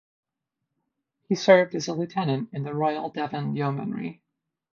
He served as a lieutenant in the Royal Devon Yeomanry.